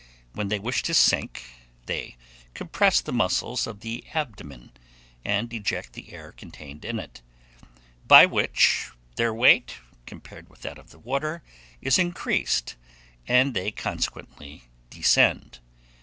When they wish to sink, they compress the muscles of the abdomen, and eject the air contained in it; by which, their weight, compared with that of the water, is increased, and they consequently descend.